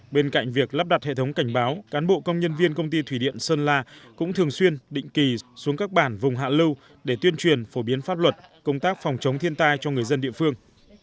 bên cạnh việc lắp đặt hệ thống cảnh báo cán bộ công nhân viên công ty thủy điện sơn la cũng thường xuyên định kỳ xuống các bản vùng hạ lưu để tuyên truyền phổ biến pháp luật công tác phòng chống thiên tai cho người dân địa phương